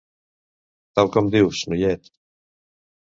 Tal com dius, noiet.